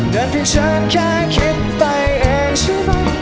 แต่ที่ฉันแค่คิดไปเองใช่ไหม